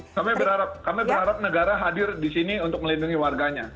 kami berharap negara hadir di sini untuk melindungi warganya